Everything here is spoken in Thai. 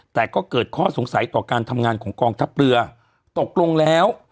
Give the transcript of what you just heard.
แต่ก็เกิดข้อสงสัยต่อการทำงานของกองทัพเรือตกลงแล้ว